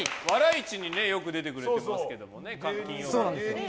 市によく出てくれてますけどね。